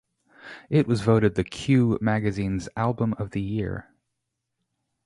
It was voted the "Q" magazine's 'Album of the Year'.